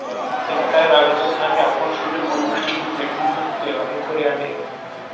ধিক্কারের আঘাতে তাহাকে আপন শোকের পরিবেষ্টন হইতে এক মুহূর্তে বাহির করিয়া আনিল।